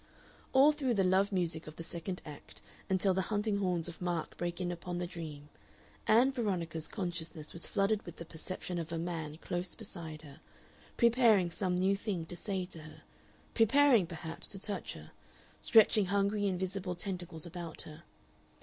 All through the love music of the second act, until the hunting horns of Mark break in upon the dream, Ann Veronica's consciousness was flooded with the perception of a man close beside her, preparing some new thing to say to her, preparing, perhaps, to touch her, stretching hungry invisible tentacles about her.